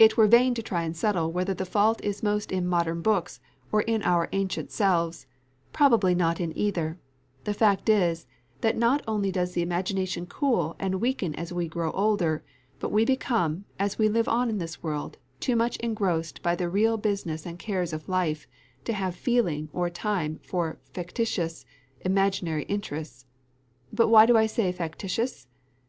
It were vain to try and settle whether the fault is most in modern books, or in our ancient selves; probably not in either: the fact is, that not only does the imagination cool and weaken as we grow older, but we become, as we live on in this world, too much engrossed by the real business and cares of life, to have feeling or time for factitious, imaginary interests. But why do I say factitious?